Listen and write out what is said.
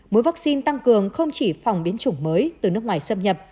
mỗi vaccine tăng cường không chỉ phòng biến chủng mới từ nước ngoài xâm nhập